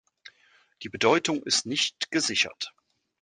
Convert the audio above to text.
Die Bedeutung ist nicht gesichert.